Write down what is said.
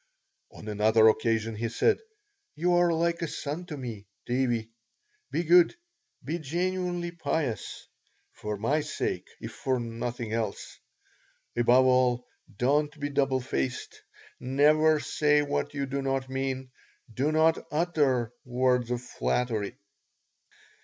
On another occasion he said: "You are like a son to me, Davie. Be good, be genuinely pious; for my sake, if for nothing else. Above all, don't be double faced; never say what you do not mean; do not utter words of flattery."